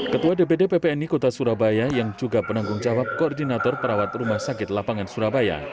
ketua dpd ppni kota surabaya yang juga penanggung jawab koordinator perawat rumah sakit lapangan surabaya